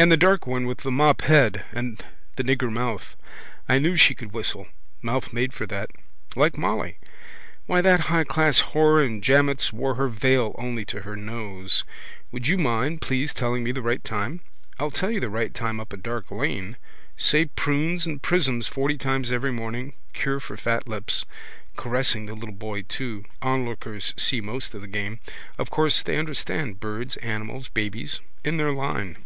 And the dark one with the mop head and the nigger mouth. I knew she could whistle. Mouth made for that. Like Molly. Why that highclass whore in Jammet's wore her veil only to her nose. Would you mind, please, telling me the right time? I'll tell you the right time up a dark lane. Say prunes and prisms forty times every morning, cure for fat lips. Caressing the little boy too. Onlookers see most of the game. Of course they understand birds, animals, babies. In their line.